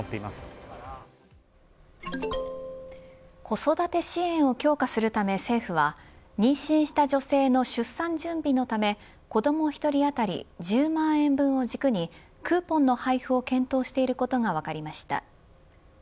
子育て支援を強化するため政府は妊娠した女性の出産準備のため子ども１人当たり１０万円分を軸にクーポンの配布を検討していることが分かりました。